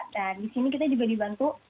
nah disini kita juga dibantu